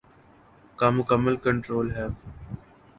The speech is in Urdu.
کا مکمل کنٹرول ہے۔